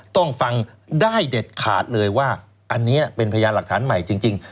ต้องฟังได้เด็ดขาดเลยว่าอันนี้เป็นพยานหลักฐานใหม่จริง